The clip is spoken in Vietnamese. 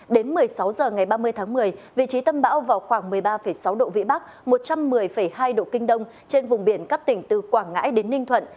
đến một mươi sáu h ngày ba mươi tháng một mươi vị trí tâm bão vào khoảng một mươi ba sáu độ vĩ bắc một trăm một mươi hai độ kinh đông trên vùng biển các tỉnh từ quảng ngãi đến ninh thuận